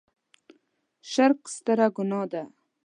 شرک ستره ګناه ده.